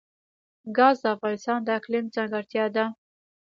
ګاز د افغانستان د اقلیم ځانګړتیا ده.